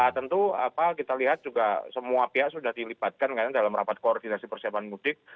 tentu kita lihat juga semua pihak sudah dilibatkan dalam rapat koordinasi persiapan mudik